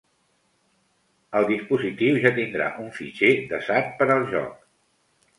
El dispositiu ja tindrà un fitxer desat per al joc.